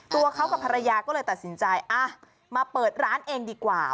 ตัวเขากับภรรยาก็เลยตัดสินใจมาเปิดร้านเองดีกว่า